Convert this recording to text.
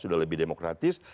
sudah lebih demokratis